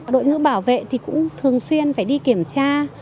đội ngữ bảo vệ thì cũng thường xuyên phải đi kiểm tra